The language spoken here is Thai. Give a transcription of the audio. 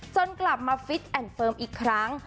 จนกลับมาฟิตแอนด์เฟิร์มอีกครั้ง